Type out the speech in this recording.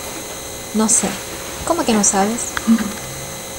No sé. ¿ cómo que no sabes?